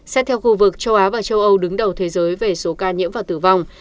xét theo khu vực châu á và châu âu đứng đầu thế giới về số ca nhiễm và tử vong